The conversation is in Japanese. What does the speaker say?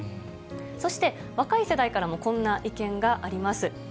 そして、若い世代からもこんな意見があります。